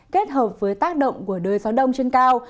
kết hợp với tác động của đới gió đông trên cao